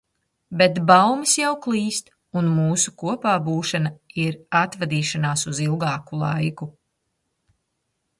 Bet baumas jau klīst, un mūsu kopābūšana ir atvadīšanās uz ilgāku laiku.